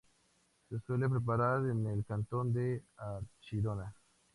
Se suele preparar en el cantón de Archidona.